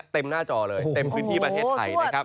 หน้าจอเลยเต็มพื้นที่ประเทศไทยนะครับ